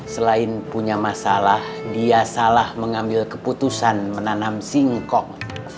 selain punya masalah dia salah mengambil keputusan menanam singkong